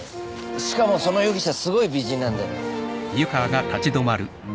しかもその容疑者すごい美人なんだよ